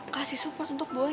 kasih support untuk boy